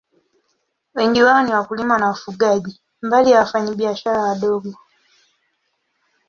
Wengi wao ni wakulima na wafugaji, mbali ya wafanyabiashara wadogo.